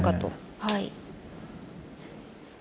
はい。